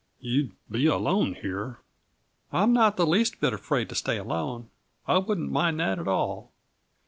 "You'd be alone here " "I'm not the least bit afraid to stay alone. I wouldn't mind that at all."